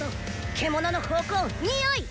獣の咆哮におい！